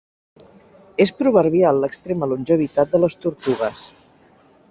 És proverbial l'extrema longevitat de les tortugues.